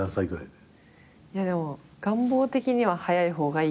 でも願望的には早い方がいいなって。